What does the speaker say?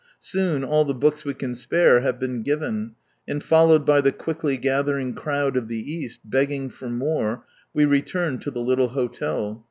Soon all the books we can spare have been given, and followed by the quickly gathering crowd of the East, begging for more, we return to the little hotel.